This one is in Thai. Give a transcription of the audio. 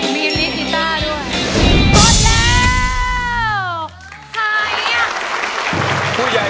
วินีทีต้านว่า